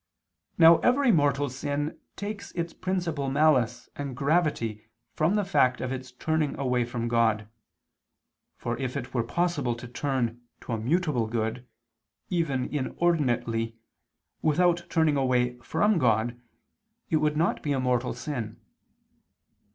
Now every mortal sin takes its principal malice and gravity from the fact of its turning away from God, for if it were possible to turn to a mutable good, even inordinately, without turning away from God, it would not be a mortal sin.